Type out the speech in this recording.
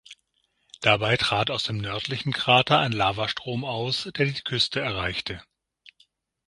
Dabei trat aus dem nördlichen Krater ein Lavastrom aus, der die Küste erreichte.